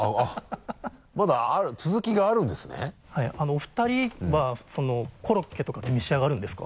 お二人はコロッケとかって召し上がるんですか？